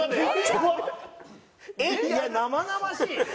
いや生々しい！